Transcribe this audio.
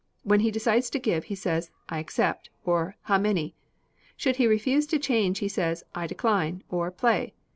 When he decides to give, he says, "I accept," or "How many?" Should he refuse to change he says, "I decline," or "Play."